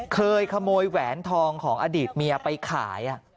เคยขโมยแหวนทองของอดีตเมียไปขาย